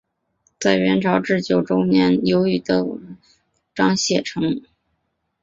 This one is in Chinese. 在元朝至正九年由严德甫和晏天章写成。